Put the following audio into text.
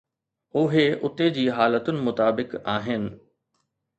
اهي اتي جي حالتن مطابق آهن.